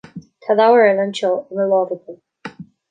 Tá leabhar eile anseo i mo láimh agam